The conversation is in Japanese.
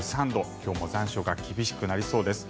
今日も残暑が厳しくなりそうです。